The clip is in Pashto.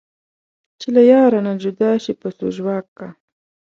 چې له یاره نه جدا شي پسو ژواک کا